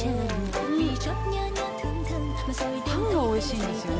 パンがおいしいんですよね